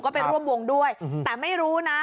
ก็ไปร่วมวงด้วยแต่ไม่รู้นะ